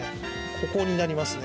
ここになりますね。